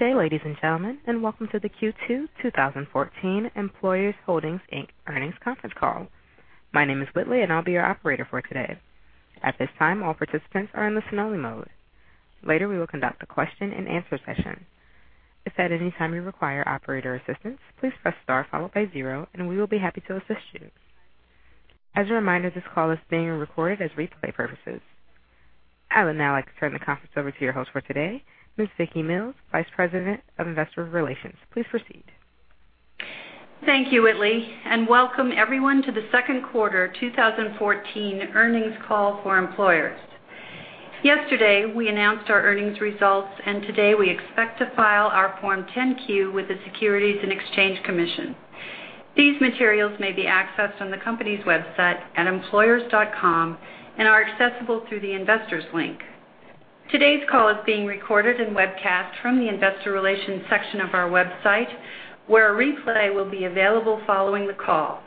Good day, ladies and gentlemen, and welcome to the Q2 2014 Employers Holdings, Inc. earnings conference call. My name is Whitley, and I'll be your operator for today. At this time, all participants are in the listen-only mode. Later, we will conduct a question and answer session. If at any time you require operator assistance, please press star followed by 0, and we will be happy to assist you. As a reminder, this call is being recorded for replay purposes. I would now like to turn the conference over to your host for today, Ms. Vicki Mills, Vice President, Investor Relations. Please proceed. Thank you, Whitley, and welcome everyone to the second quarter 2014 earnings call for Employers. Yesterday, we announced our earnings results, and today we expect to file our Form 10-Q with the Securities and Exchange Commission. These materials may be accessed on the company's website at employers.com and are accessible through the Investors link. Today's call is being recorded and webcast from the Investor Relations section of our website, where a replay will be available following the call.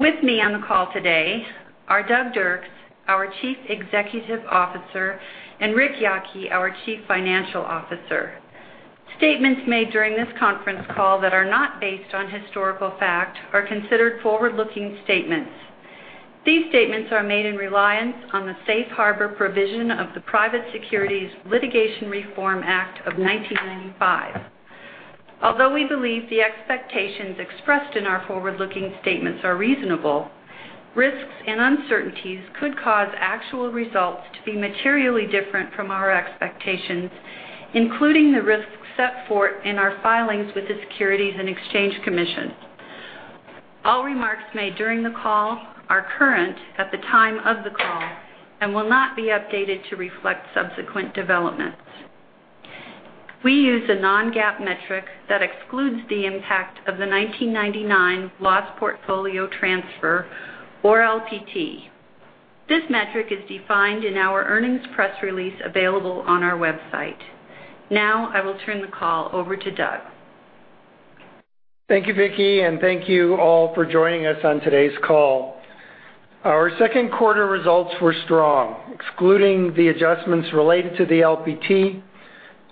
With me on the call today are Douglas Dirks, our Chief Executive Officer, and Rick Yocke, our Chief Financial Officer. Statements made during this conference call that are not based on historical fact are considered forward-looking statements. These statements are made in reliance on the Safe Harbor provision of the Private Securities Litigation Reform Act of 1995. Although we believe the expectations expressed in our forward-looking statements are reasonable, risks and uncertainties could cause actual results to be materially different from our expectations, including the risks set forth in our filings with the Securities and Exchange Commission. All remarks made during the call are current at the time of the call and will not be updated to reflect subsequent developments. We use a non-GAAP metric that excludes the impact of the 1999 loss portfolio transfer, or LPT. This metric is defined in our earnings press release available on our website. Now, I will turn the call over to Doug. Thank you, Vicki, and thank you all for joining us on today's call. Our second quarter results were strong. Excluding the adjustments related to the LPT,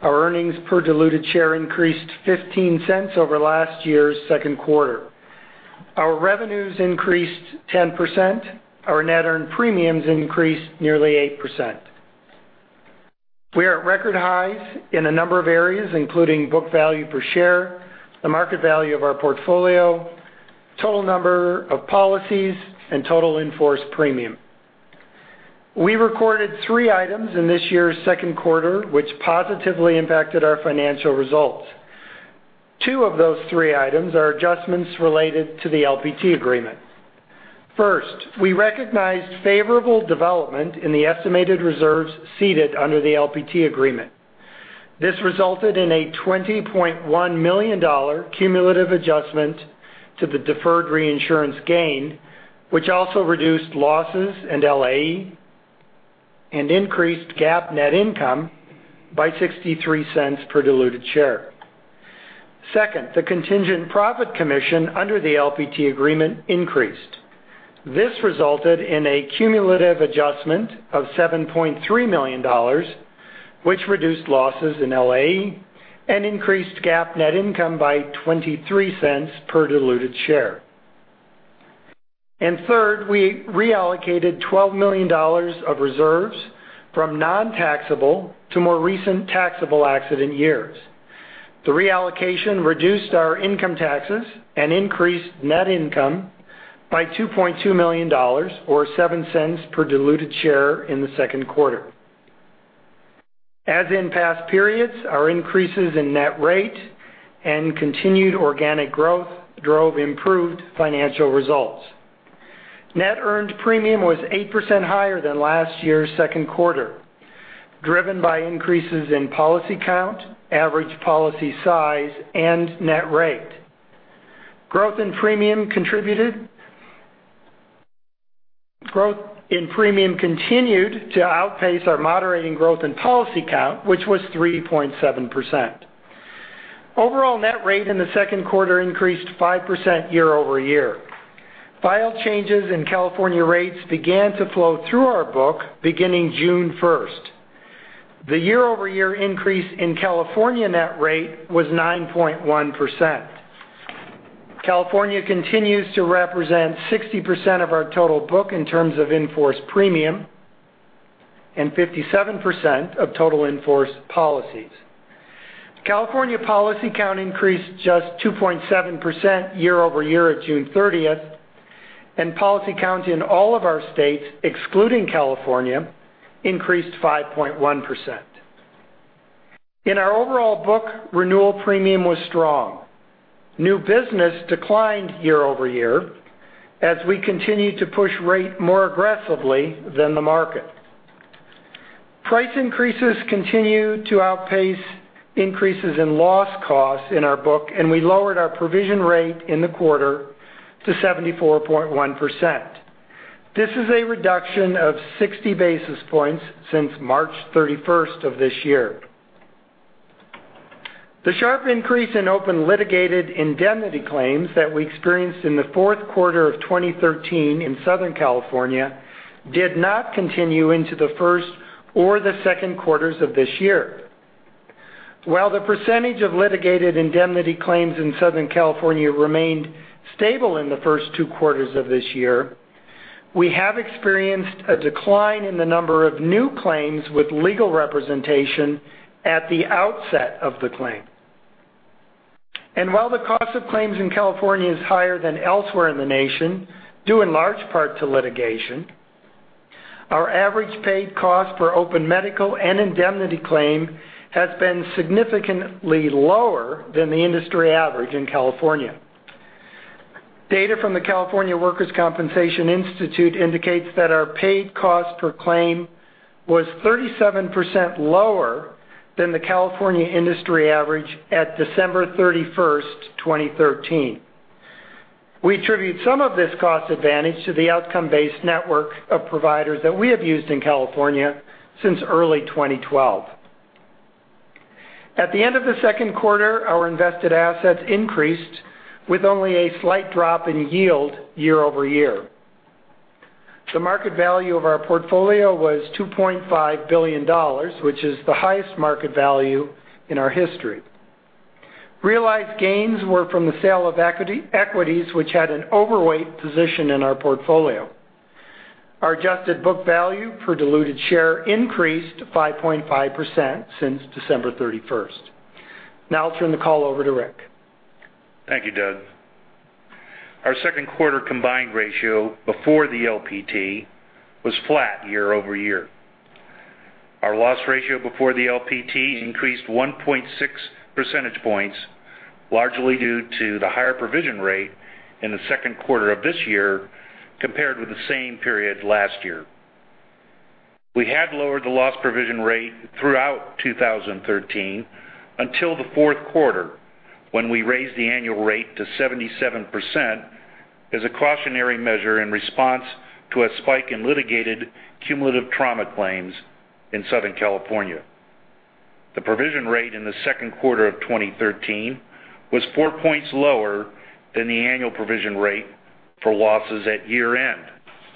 our earnings per diluted share increased $0.15 over last year's second quarter. Our revenues increased 10%. Our net earned premiums increased nearly 8%. We are at record highs in a number of areas, including book value per share, the market value of our portfolio, total number of policies, and total in-force premium. We recorded three items in this year's second quarter which positively impacted our financial results. Two of those three items are adjustments related to the LPT agreement. First, we recognized favorable development in the estimated reserves ceded under the LPT agreement. This resulted in a $20.1 million cumulative adjustment to the deferred reinsurance gain, which also reduced losses and LAE and increased GAAP net income by $0.63 per diluted share. Second, the contingent profit commission under the LPT agreement increased. This resulted in a cumulative adjustment of $7.3 million, which reduced losses in LAE and increased GAAP net income by $0.23 per diluted share. Third, we reallocated $12 million of reserves from non-taxable to more recent taxable accident years. The reallocation reduced our income taxes and increased net income by $2.2 million, or $0.07 per diluted share in the second quarter. As in past periods, our increases in net rate and continued organic growth drove improved financial results. Net earned premium was 8% higher than last year's second quarter, driven by increases in policy count, average policy size, and net rate. Growth in premium continued to outpace our moderating growth in policy count, which was 3.7%. Overall net rate in the second quarter increased 5% year-over-year. Filed changes in California rates began to flow through our book beginning June 1st. The year-over-year increase in California net rate was 9.1%. California continues to represent 60% of our total book in terms of in-force premium and 57% of total in-force policies. California policy count increased just 2.7% year-over-year at June 30th, and policy count in all of our states, excluding California, increased 5.1%. In our overall book, renewal premium was strong. New business declined year-over-year as we continued to push rate more aggressively than the market. Price increases continued to outpace increases in loss costs in our book. We lowered our provision rate in the quarter to 74.1%. This is a reduction of 60 basis points since March 31st of this year. The sharp increase in open litigated indemnity claims that we experienced in the fourth quarter of 2013 in Southern California did not continue into the first or the second quarters of this year. While the percentage of litigated indemnity claims in Southern California remained stable in the first two quarters of this year, we have experienced a decline in the number of new claims with legal representation at the outset of the claim. While the cost of claims in California is higher than elsewhere in the nation, due in large part to litigation, our average paid cost per open medical and indemnity claim has been significantly lower than the industry average in California. Data from the California Workers' Compensation Institute indicates that our paid cost per claim was 37% lower than the California industry average at December 31st, 2013. We attribute some of this cost advantage to the outcome-based network of providers that we have used in California since early 2012. At the end of the second quarter, our invested assets increased with only a slight drop in yield year-over-year. The market value of our portfolio was $2.5 billion, which is the highest market value in our history. Realized gains were from the sale of equities, which had an overweight position in our portfolio. Our adjusted book value per diluted share increased 5.5% since December 31st. Now I'll turn the call over to Rick. Thank you, Doug. Our second quarter combined ratio before the LPT was flat year-over-year. Our loss ratio before the LPT increased 1.6 percentage points, largely due to the higher provision rate in the second quarter of this year compared with the same period last year. We had lowered the loss provision rate throughout 2013 until the fourth quarter, when we raised the annual rate to 77% as a cautionary measure in response to a spike in litigated cumulative trauma claims in Southern California. The provision rate in the second quarter of 2013 was four points lower than the annual provision rate for losses at year-end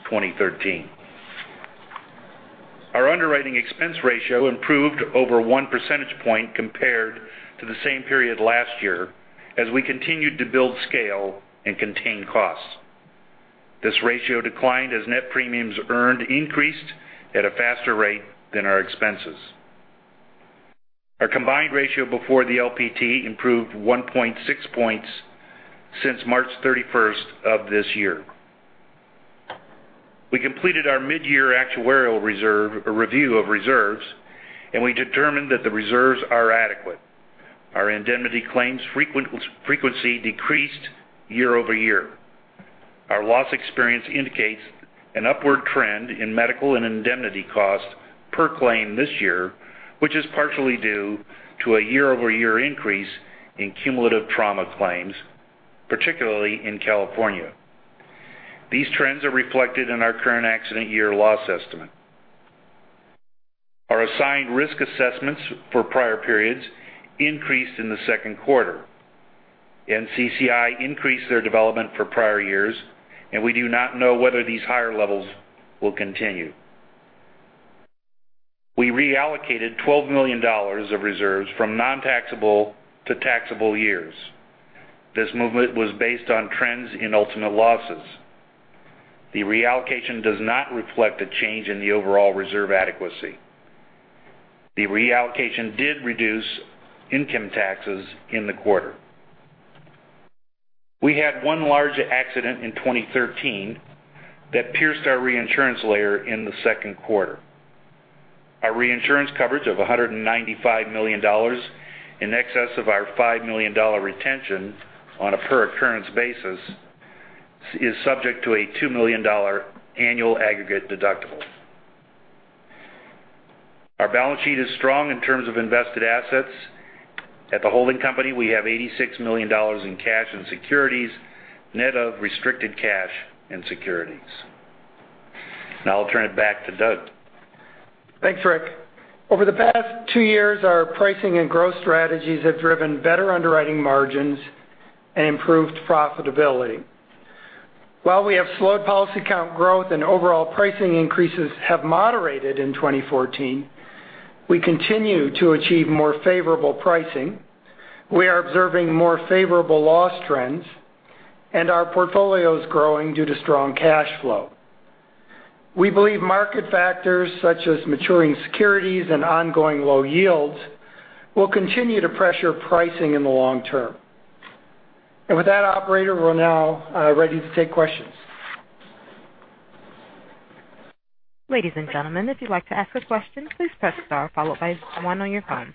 2013. Our underwriting expense ratio improved over one percentage point compared to the same period last year as we continued to build scale and contain costs. This ratio declined as net premiums earned increased at a faster rate than our expenses. Our combined ratio before the LPT improved 1.6 points since March 31st of this year. We completed our mid-year actuarial review of reserves. We determined that the reserves are adequate. Our indemnity claims frequency decreased year-over-year. Our loss experience indicates an upward trend in medical and indemnity cost per claim this year, which is partially due to a year-over-year increase in cumulative trauma claims, particularly in California. These trends are reflected in our current accident year loss estimate. Our assigned risk assessments for prior periods increased in the second quarter. NCCI increased their development for prior years. We do not know whether these higher levels will continue. We reallocated $12 million of reserves from non-taxable to taxable years. This movement was based on trends in ultimate losses. The reallocation does not reflect a change in the overall reserve adequacy. The reallocation did reduce income taxes in the quarter. We had one large accident in 2013 that pierced our reinsurance layer in the second quarter. Our reinsurance coverage of $195 million in excess of our $5 million retention on a per occurrence basis is subject to a $2 million annual aggregate deductible. Our balance sheet is strong in terms of invested assets. At the holding company, we have $86 million in cash and securities, net of restricted cash and securities. I'll turn it back to Doug. Thanks, Yocke. Over the past two years, our pricing and growth strategies have driven better underwriting margins and improved profitability. While we have slowed policy count growth and overall pricing increases have moderated in 2014, we continue to achieve more favorable pricing. We are observing more favorable loss trends. Our portfolio is growing due to strong cash flow. We believe market factors such as maturing securities and ongoing low yields will continue to pressure pricing in the long term. With that operator, we're now ready to take questions. Ladies and gentlemen, if you'd like to ask a question, please press star followed by one on your phone.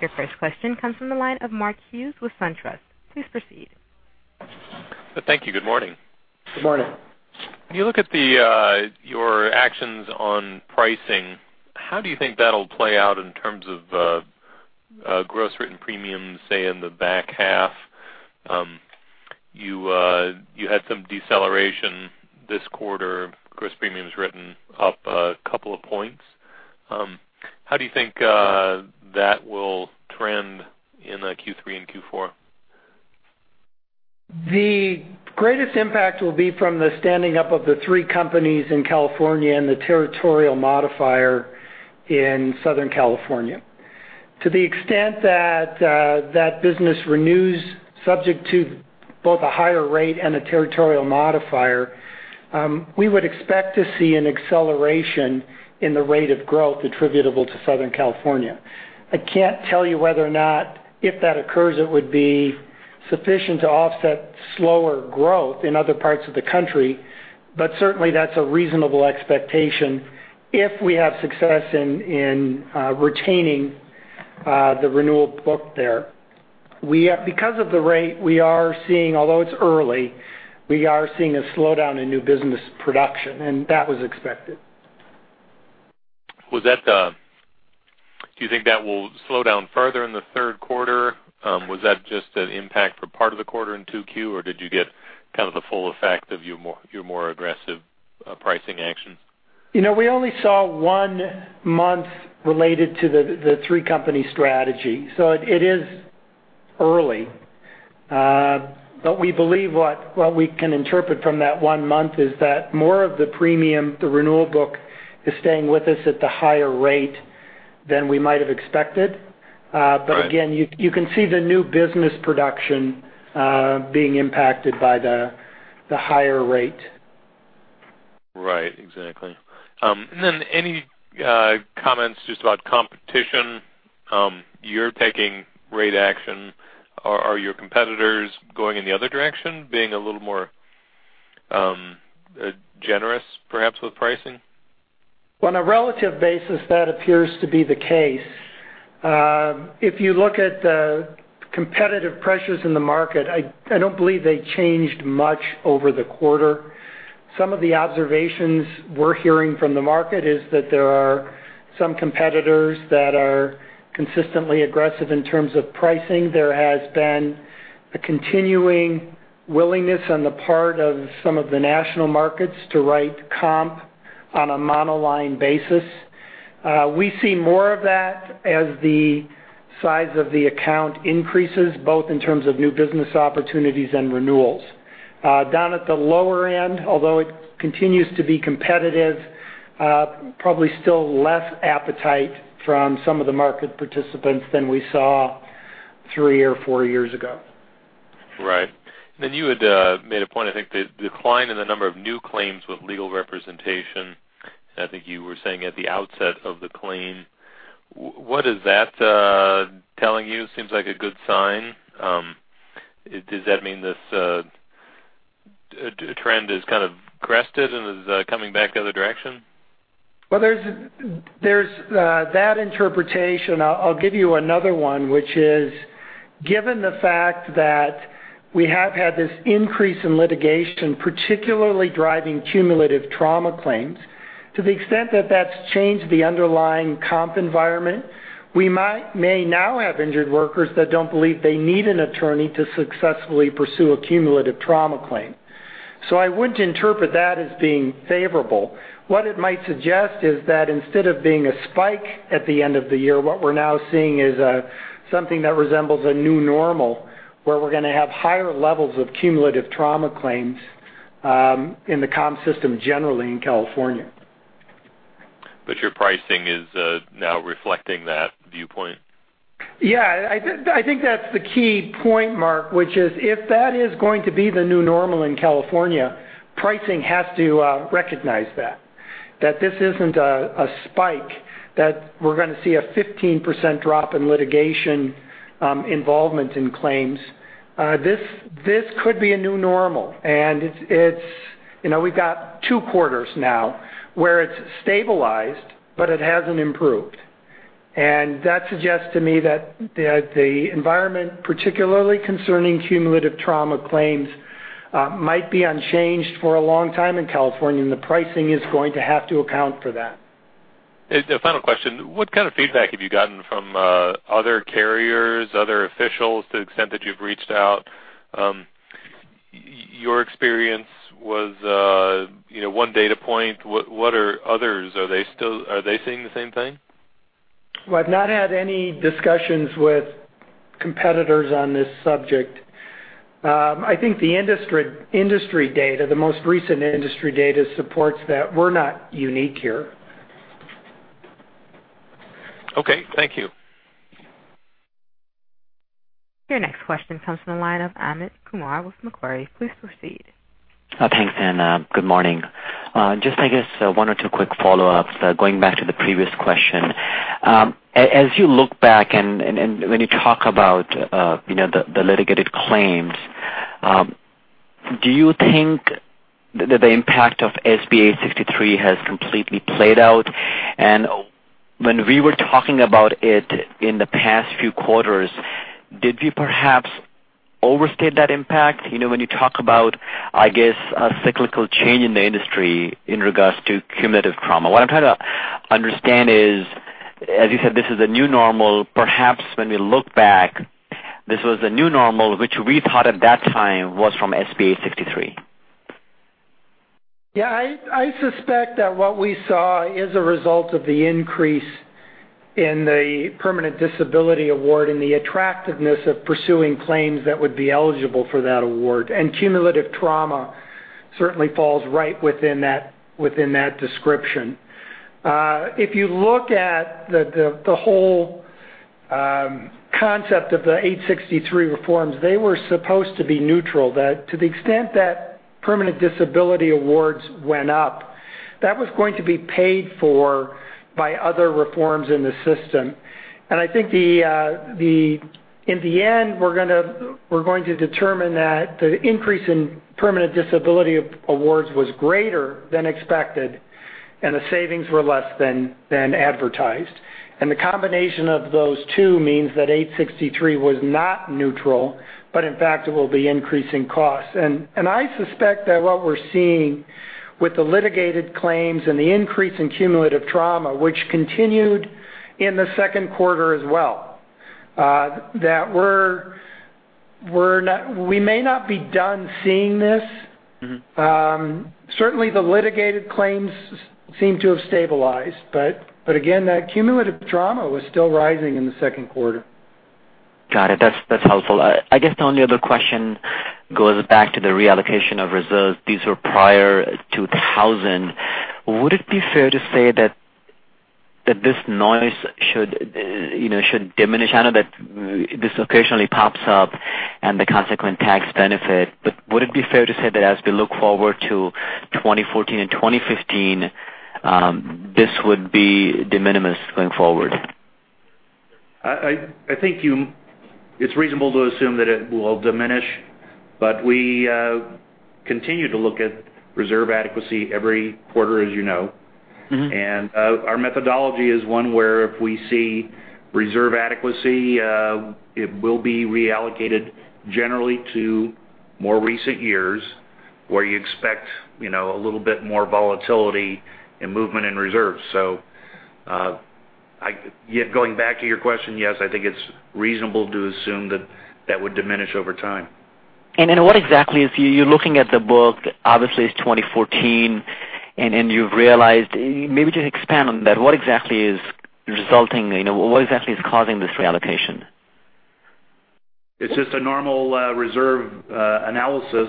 Your first question comes from the line of Mark Hughes with SunTrust. Please proceed. Thank you. Good morning. Good morning. When you look at your actions on pricing, how do you think that'll play out in terms of gross written premiums, say, in the back half? You had some deceleration this quarter, gross premiums written up a couple of points. How do you think that will trend in Q3 and Q4? The greatest impact will be from the standing up of the three companies in California and the territorial modifier in Southern California. To the extent that that business renews, subject to both a higher rate and a territorial modifier, we would expect to see an acceleration in the rate of growth attributable to Southern California. I can't tell you whether or not, if that occurs, it would be sufficient to offset slower growth in other parts of the country, but certainly that's a reasonable expectation if we have success in retaining the renewal book there. Because of the rate, although it's early, we are seeing a slowdown in new business production, and that was expected. Do you think that will slow down further in the third quarter? Was that just an impact for part of the quarter in 2Q, or did you get kind of the full effect of your more aggressive pricing actions? We only saw one month related to the three-company strategy. It is early. We believe what we can interpret from that one month is that more of the premium, the renewal book, is staying with us at the higher rate than we might have expected. Right. Again, you can see the new business production being impacted by the higher rate. Right. Exactly. Any comments just about competition? You're taking rate action. Are your competitors going in the other direction, being a little more generous, perhaps, with pricing? On a relative basis, that appears to be the case. If you look at the competitive pressures in the market, I don't believe they changed much over the quarter. Some of the observations we're hearing from the market is that there are some competitors that are consistently aggressive in terms of pricing. There has been a continuing willingness on the part of some of the national markets to write comp on a monoline basis. We see more of that as the size of the account increases, both in terms of new business opportunities and renewals. Down at the lower end, although it continues to be competitive, probably still less appetite from some of the market participants than we saw three or four years ago. Right. You had made a point, I think, the decline in the number of new claims with legal representation, and I think you were saying at the outset of the claim. What is that telling you? Seems like a good sign. Does that mean this trend has kind of crested and is coming back the other direction? Well, there's that interpretation. I'll give you another one, which is, given the fact that we have had this increase in litigation, particularly driving cumulative trauma claims, to the extent that that's changed the underlying comp environment, we may now have injured workers that don't believe they need an attorney to successfully pursue a cumulative trauma claim. I wouldn't interpret that as being favorable. What it might suggest is that instead of being a spike at the end of the year, what we're now seeing is something that resembles a new normal, where we're going to have higher levels of cumulative trauma claims in the comp system, generally in California. Your pricing is now reflecting that viewpoint. I think that's the key point, Mark, which is if that is going to be the new normal in California, pricing has to recognize that. That this isn't a spike, that we're going to see a 15% drop in litigation involvement in claims. This could be a new normal, and we've got two quarters now where it's stabilized, but it hasn't improved. That suggests to me that the environment, particularly concerning cumulative trauma claims, might be unchanged for a long time in California, and the pricing is going to have to account for that. The final question, what kind of feedback have you gotten from other carriers, other officials to the extent that you've reached out? Your experience was one data point. What are others? Are they seeing the same thing? Well, I've not had any discussions with competitors on this subject. I think the most recent industry data supports that we're not unique here. Okay. Thank you. Your next question comes from the line of Amit Kumar with Macquarie. Please proceed. Thanks, Anna. Good morning. Just, I guess, one or two quick follow-ups, going back to the previous question. As you look back and when you talk about the litigated claims, do you think that the impact of SB 863 has completely played out? When we were talking about it in the past few quarters, did we perhaps overstate that impact? When you talk about, I guess, a cyclical change in the industry in regards to cumulative trauma, what I'm trying to understand is, as you said, this is a new normal. Perhaps when we look back, this was a new normal which we thought at that time was from SB 863. Yeah, I suspect that what we saw is a result of the increase in the permanent disability award and the attractiveness of pursuing claims that would be eligible for that award. Cumulative trauma certainly falls right within that description. If you look at the whole concept of the 863 reforms, they were supposed to be neutral. To the extent that permanent disability awards went up, that was going to be paid for by other reforms in the system. I think in the end, we're going to determine that the increase in permanent disability awards was greater than expected, and the savings were less than advertised. The combination of those two means that 863 was not neutral, but in fact, it will be increasing costs. I suspect that what we're seeing with the litigated claims and the increase in cumulative trauma, which continued in the second quarter as well, that we may not be done seeing this. Certainly, the litigated claims seem to have stabilized, but again, that cumulative trauma was still rising in the second quarter. Got it. That's helpful. I guess the only other question goes back to the reallocation of reserves. These were prior to 2000. Would it be fair to say that this noise should diminish? I know that this occasionally pops up and the consequent tax benefit, but would it be fair to say that as we look forward to 2014 and 2015, this would be de minimis going forward? I think it's reasonable to assume that it will diminish, but we continue to look at reserve adequacy every quarter, as you know. Our methodology is one where if we see reserve adequacy, it will be reallocated generally to more recent years where you expect a little bit more volatility and movement in reserves. Going back to your question, yes, I think it's reasonable to assume that that would diminish over time. What exactly is, you're looking at the book, obviously it's 2014, and you've realized, maybe just expand on that. What exactly is resulting, what exactly is causing this reallocation? It's just a normal reserve analysis.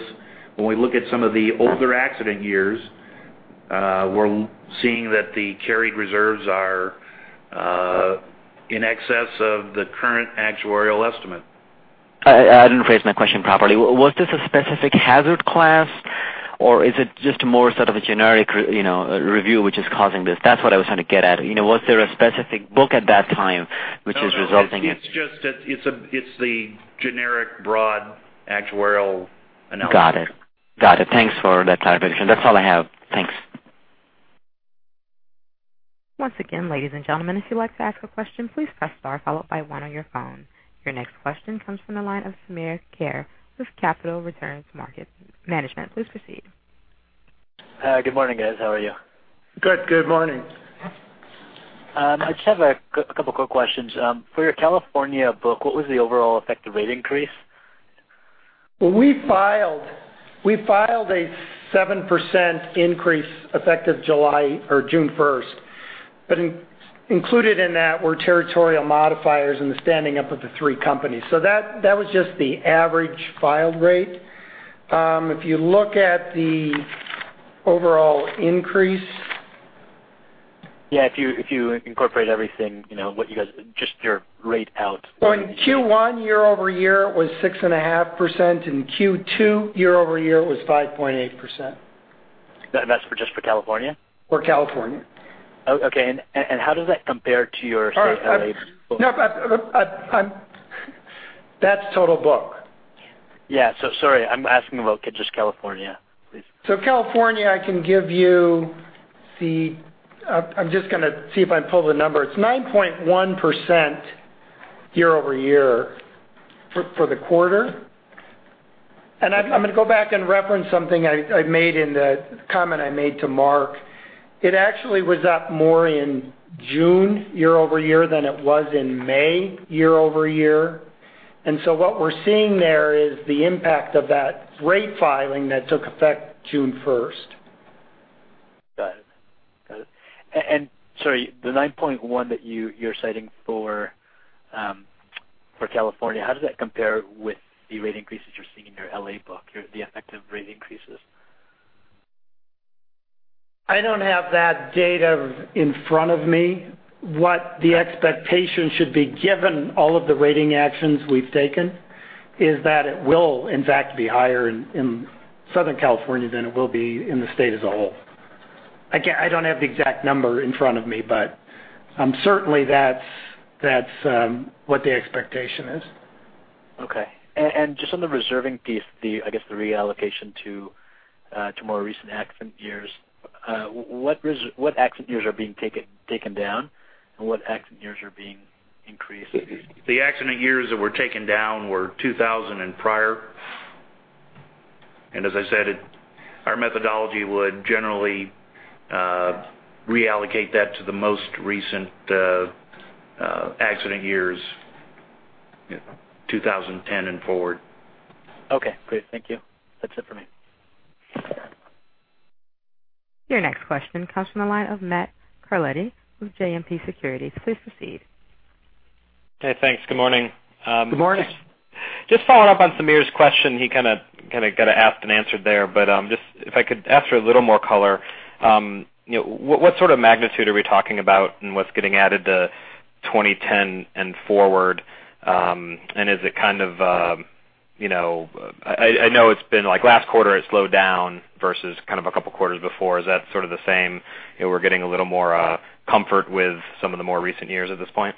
When we look at some of the older accident years, we're seeing that the carried reserves are in excess of the current actuarial estimate. I didn't phrase my question properly. Was this a specific hazard class, or is it just more sort of a generic review which is causing this? That's what I was trying to get at. Was there a specific book at that time which is resulting in It's the generic broad actuarial analysis. Got it. Thanks for that clarification. That's all I have. Thanks. Once again, ladies and gentlemen, if you'd like to ask a question, please press star followed by one on your phone. Your next question comes from the line of Samir Khare with Capital Returns Management. Please proceed. Hi. Good morning, guys. How are you? Good. Good morning. I just have a couple quick questions. For your California book, what was the overall effective rate increase? We filed a 7% increase effective June 1st. Included in that were territorial modifiers and the standing up of the three companies. That was just the average filed rate. If you look at the overall increase. Yeah, if you incorporate everything, just your rate out. In Q1 year-over-year, it was 6.5%, in Q2 year-over-year, it was 5.8%. That's just for California? For California. Okay. How does that compare to your state of L.A. book? That's total book. Yeah. Sorry. I'm asking about just California, please. California, I can give you, I'm just going to see if I pulled the number. It's 9.1% year-over-year for the quarter. I'm going to go back and reference something I made in the comment I made to Mark. It actually was up more in June year-over-year than it was in May year-over-year. What we're seeing there is the impact of that rate filing that took effect June 1st. Got it. Sorry, the 9.1 that you're citing for California, how does that compare with the rate increases you're seeing in your L.A. book, the effective rate increases? I don't have that data in front of me. What the expectation should be given all of the rating actions we've taken is that it will in fact be higher in Southern California than it will be in the state as a whole. Again, I don't have the exact number in front of me, but certainly, that's what the expectation is. Okay. Just on the reserving piece, I guess the reallocation to more recent accident years, what accident years are being taken down, and what accident years are being increased? The accident years that were taken down were 2000 and prior. As I said, our methodology would generally reallocate that to the most recent accident years, 2010 and forward. Okay, great. Thank you. That's it for me. Your next question comes from the line of Matt Carletti with JMP Securities. Please proceed. Hey, thanks. Good morning. Good morning. Just following up on Samir's question. He kind of got asked and answered there, but if I could ask for a little more color. What sort of magnitude are we talking about, and what's getting added to 2010 and forward? I know it's been like last quarter it slowed down versus kind of a couple of quarters before. Is that sort of the same? We're getting a little more comfort with some of the more recent years at this point?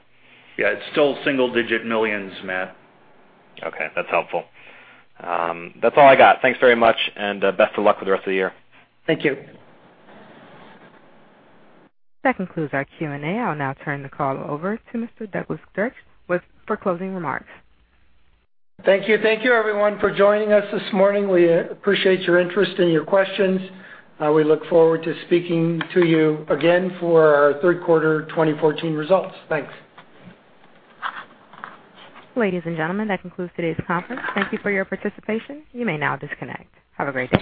Yeah, it's still single-digit millions, Matt. Okay. That's helpful. That's all I got. Thanks very much. Best of luck with the rest of the year. Thank you. That concludes our Q&A. I'll now turn the call over to Mr. Douglas Dirks for closing remarks. Thank you. Thank you everyone for joining us this morning. We appreciate your interest and your questions. We look forward to speaking to you again for our third quarter 2014 results. Thanks. Ladies and gentlemen, that concludes today's conference. Thank you for your participation. You may now disconnect. Have a great day.